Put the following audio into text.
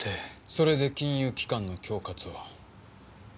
それで金融機関の恐喝を？